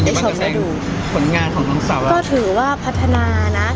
เป็นยังไงบ้างกับแสงผลงานของน้องซาวะก็ถือว่าพัฒนานะ